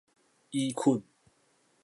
移墾